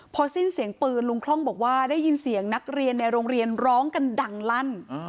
พอสิ้นเสียงปืนลุงคล่องบอกว่าได้ยินเสียงนักเรียนในโรงเรียนร้องกันดังลั่น